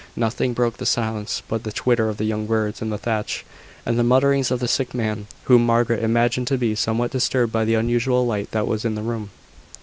Nothing broke the silence but the twitter of the young birds in the thatch, and the mutterings of the sick man, whom Margaret imagined to be somewhat disturbed by the unusual light that was in the room.